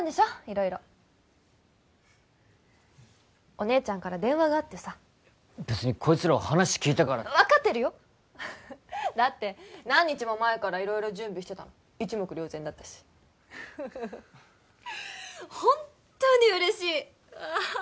色々お姉ちゃんから電話があってさべつにこいつらは話聞いたから分かってるよだって何日も前から色々準備してたの一目瞭然だったし本当に嬉しいああ